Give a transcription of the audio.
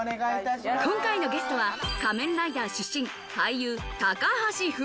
今回のゲストは『仮面ライダー』出身、俳優・高橋文哉。